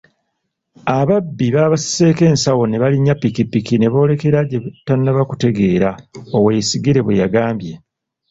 “Ababbi babasiseeko ensawo nebalinnya pikipiki neboolekera gyetutannaba kutegeera,” Oweyesigire bweyagambye.